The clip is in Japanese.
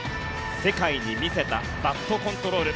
世界に見せたバットコントロール。